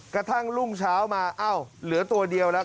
กระทั่งรุ่งเช้ามาเอ้าเหลือตัวเดียวแล้ว